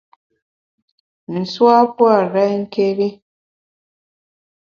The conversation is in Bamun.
Nsu a pua’ renké́ri.